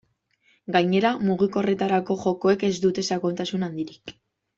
Gainera, mugikorretarako jokoek ez dute sakontasun handirik.